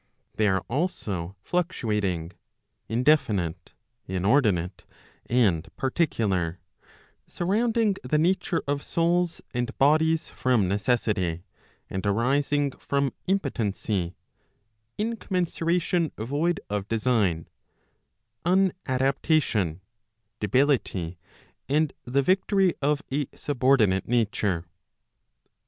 They are also fluctuating, indefinite, inordinate, and particular, surrounding the nature of souls and bodies from necessity, and arising from impotency, incommensuration void of design, unadap¬ tation, debility, and the victory of a subordinate nature.